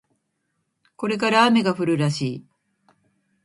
これから雨が降るらしい